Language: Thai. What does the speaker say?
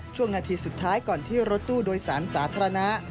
ช่วงนาทีสุดท้ายก่อนที่รถตู้โดยสารสาธารณะ